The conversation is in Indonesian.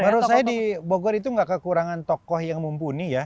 menurut saya di bogor itu nggak kekurangan tokoh yang mumpuni ya